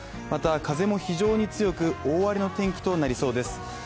また、風も非常に強く、大荒れの天気となりそうです。